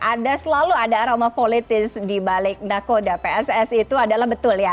ada selalu ada aroma politis di balik nakoda pssi itu adalah betul ya